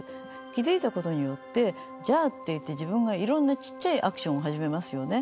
気づいたことによって「じゃあ」って言って自分がいろんなちっちゃいアクションを始めますよね。